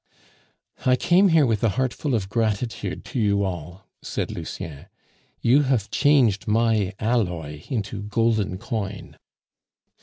"I came here with a heart full of gratitude to you all," said Lucien. "You have changed my alloy into golden coin."